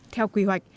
theo quy hoạch